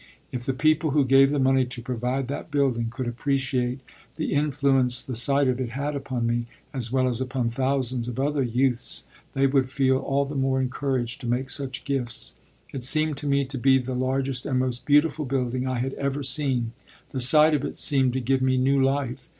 If the people who gave the money to provide that building could appreciate the influence the sight of it had upon me, as well as upon thousands of other youths, they would feel all the more encouraged to make such gifts. It seemed to me to be the largest and most beautiful building I had ever seen. The sight of it seemed to give me new life.